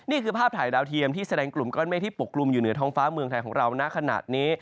นี่คือภาพถ่ายดาวเทียมที่แสดงกลุ่มก้อนเมฆที่ปกลุ่มอยู่เหนือท้องฟ้าเมืองไทยของเราณขณะนี้